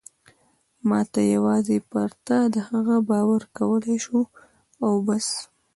ما یوازې پر تا د هغه باور کولای شو او بس.